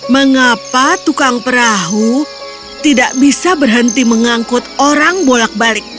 mengapa tukang perahu tidak bisa berhenti mengangkut orang bolak balik